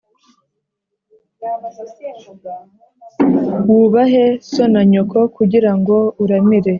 Wubahe so na nyoko kugira ngo uramire